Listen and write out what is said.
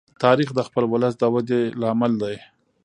تاریخ د خپل ولس د وده لامل دی.